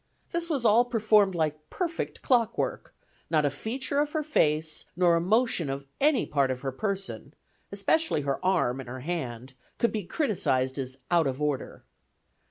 This was all performed like perfect clock work; not a feature of her face, nor a motion of any part of her person, especially her arm and her hand, could be criticized as out of order.